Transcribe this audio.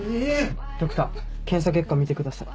ドクター検査結果見てください。